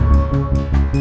mak mau beli es krim